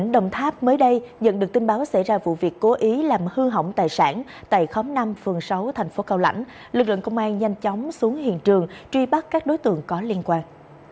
đồng tháp mới đây nhận được tin báo xảy ra vụ việc cố ý làm hư hỏng tài sản tại khóm năm phường sáu thành phố cao lãnh lực lượng công an nhanh chóng xuống hiện trường truy bắt các đối tượng có liên quan